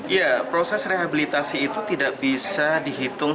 ya proses rehabilitasi itu tidak bisa dihitung